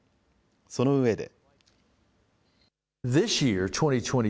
そのうえで。